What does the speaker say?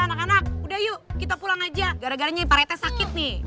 eh anak anak udah yuk kita pulang aja gara garanya parete sakit nih